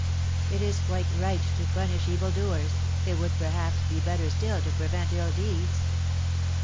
It is quite right to punish evil doers; it would, perhaps, be better still to prevent ill deeds.